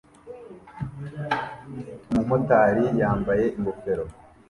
Umumotari yambaye ingofero